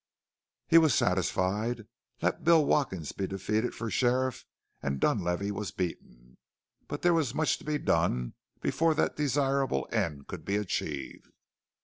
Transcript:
He was satisfied. Let Bill Watkins be defeated for sheriff and Dunlavey was beaten. But there was much to be done before that desirable end could be achieved.